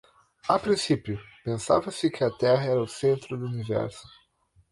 A princípio, pensava-se que a Terra era o centro do universo.